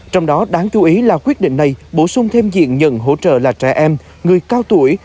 trong đó đáng chú ý là quyết định này bổ sung thêm diện nhận hỗ trợ là trẻ em người cao tuổi